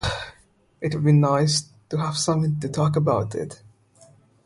It would be nice to have someone to talk to about it.